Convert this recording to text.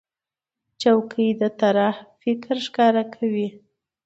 چوکۍ د طراح فکر ښکاره کوي.